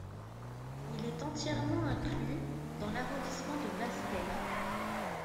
Il est entièrement inclus dans l'arrondissement de Basse-Terre.